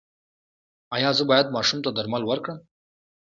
ایا زه باید ماشوم ته درمل ورکړم؟